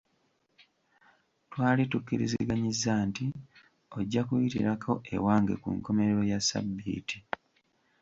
Twali tukkiriziganyizza nti ojja kuyitirako ewange ku nkomerero ya sabbiiti.